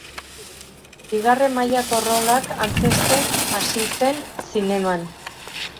Bigarren mailako rolak antzezten hasi zen zineman.